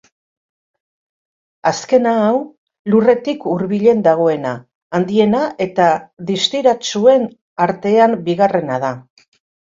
Azkena hau lurretik hurbilen dagoena, handiena eta distiratsuen artean bigarrena da.